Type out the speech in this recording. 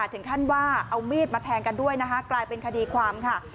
ถึงขั้นว่าเอามีดมาแทงกันด้วยนะคะกลายเป็นคดีความค่ะ